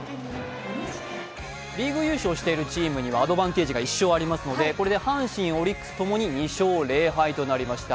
リーグ優勝しているチームにはアドバンテージ１勝ありますので、これで阪神、オリックスともに２勝０敗となりました。